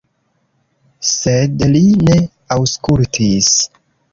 Sed li ne aŭskultis.